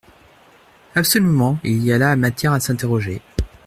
Absolument ! Il y a là matière à s’interroger.